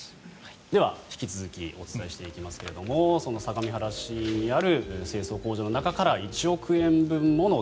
では、引き続きお伝えしていきますがその相模原市にある清掃工場の中から１億円分もの